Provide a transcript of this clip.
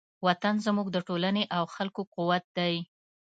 وطن زموږ د ټولنې او خلکو قوت دی.